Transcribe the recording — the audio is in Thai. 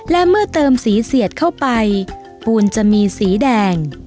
และเมื่อเติมสีเสียดเข้าไปปูนจะมีสีแดง